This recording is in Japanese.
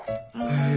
へえ！